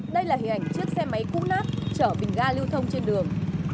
đây là hình ảnh chiếc xe máy cũ nát chở bình ga lưu thông trên đường